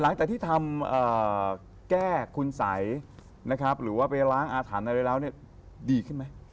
หลังจากที่ทำแก้คุณสัยนะครับหรือว่าไปล้างอาถรรพ์อะไรแล้วเนี่ยดีขึ้นไหม